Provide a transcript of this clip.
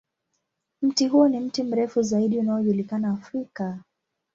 Mti huo ni mti mrefu zaidi unaojulikana Afrika.